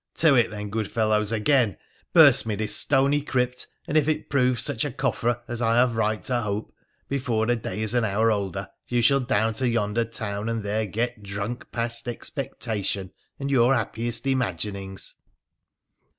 To it, then, good fellows, again ! Burst me this stony crypt, and, if it prove such a coffer as I have right to hope, before the day is an hour older, you shall down to yonder town and there get drunk past expectation and your happiest imaginings.'